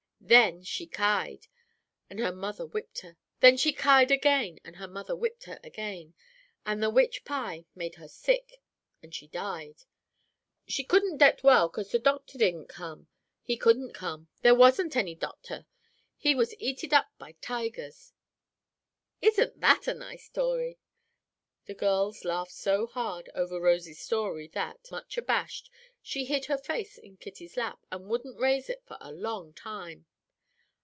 Then she kied. And her mother whipped her. Then she kied again. And her mother whipped her again. And the wich pie made her sick. And she died. She couldn't det well, 'cause the dottor he didn't come. He couldn't come. There wasn't any dottor. He was eated up by tigers. Isn't that a nice 'tory?" The girls laughed so hard over Rosy's story that, much abashed, she hid her face in Kitty's lap, and wouldn't raise it for a long time.